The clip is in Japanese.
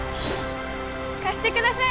貸してください